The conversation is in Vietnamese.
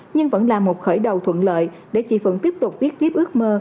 nhưng vẫn là một khởi đầu thuận lợi để chị vẫn tiếp tục viết tiếp ước mơ